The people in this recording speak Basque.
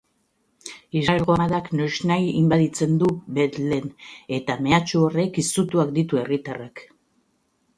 Israelgo armadak noiznahi inbaditzen du Betleem, eta mehatxu horrek izutuak ditu herritarrak.